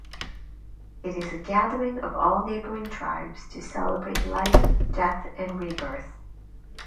It is a gathering of all neighbouring tribes to celebrate life, death, and rebirth.